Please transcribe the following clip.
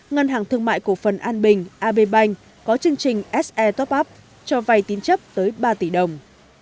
ngân hàng thương mại cổ phần an bình có chương trình se top up cho vay tín chấp tới ba tỷ đồng